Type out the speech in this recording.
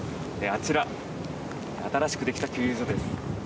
あちら新しくできた給油所です。